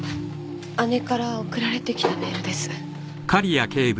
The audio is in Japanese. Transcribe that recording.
姉から送られてきたメールです。